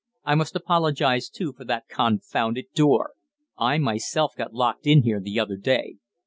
I must apologize, too, for that confounded door I myself got locked in here the other day.